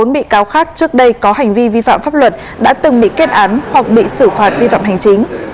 bốn bị cáo khác trước đây có hành vi vi phạm pháp luật đã từng bị kết án hoặc bị xử phạt vi phạm hành chính